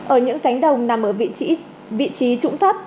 ở những cánh đồng nằm ở vị trí trũng thấp